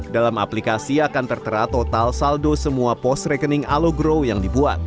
dalam aplikasi akan tertera total saldo semua pos rekening alogrow yang dibuat